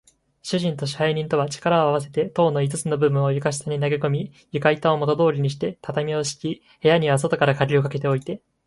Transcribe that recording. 主人と支配人とは、力をあわせて塔の五つの部分を床下に投げこみ、床板をもとどおりにして、畳をしき、部屋には外からかぎをかけておいて、